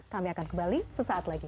kami akan kembali sesaat lagi